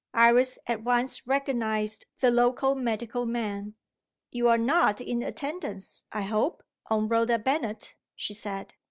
Iris at once recognised the local medical man. "You're not in attendance, I hope, on Rhoda Bennet?" she said.